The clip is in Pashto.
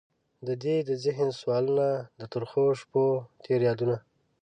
ددې د ذهن سوالونه، د ترخوشپوتیر یادونه